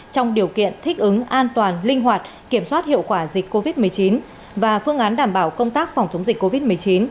trong điều kiện thích ứng an toàn linh hoạt kiểm soát hiệu quả dịch covid một mươi chín và phương án đảm bảo công tác phòng chống dịch covid một mươi chín